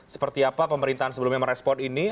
seperti apa pemerintahan sebelumnya merespon ini